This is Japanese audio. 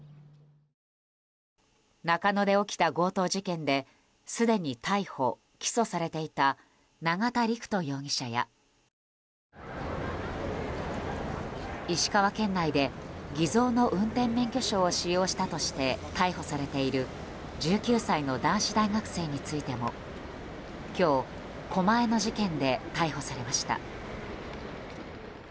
中野で起きた強盗事件ですでに逮捕・起訴されていた永田陸人容疑者や石川県内で、偽造の運転免許証を使用したとして逮捕されている１９歳の男子大学生についても今日狛江の事件で逮捕されました。